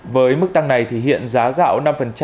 với mức tăng này hiện giá gạo năm